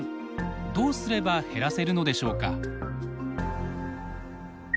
どうすれば減らせるのでしょうか。